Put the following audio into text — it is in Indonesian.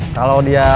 kalau dia dateng nih